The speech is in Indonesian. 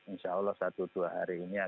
insya allah satu dua hari ini